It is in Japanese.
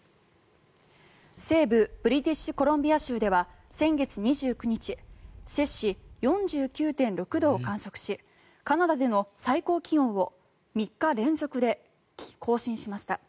西部ブリティッシュコロンビア州では先月２９日セ氏４９．６度を観測しカナダでの最高気温を３日連続で更新しました。